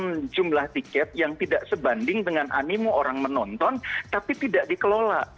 untuk menurut saya jumlah tim yang diperoleh adalah sebatas tiket yang tidak sebanding dengan animu orang menonton tapi tidak dikelola